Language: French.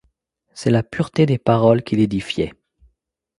C'est la pureté des paroles qui l'édifiait.